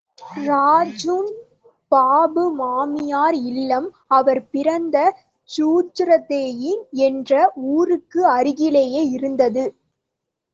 ராஜன் பாபு மாமியார் இல்லம் அவர் பிறந்த ஜீராதேயீ என்ற ஊருக்கு அருகிலேயே இருந்தது.